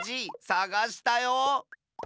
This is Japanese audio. さがしたよ。